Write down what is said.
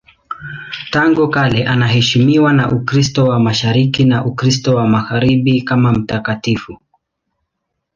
Tangu kale anaheshimiwa na Ukristo wa Mashariki na Ukristo wa Magharibi kama mtakatifu.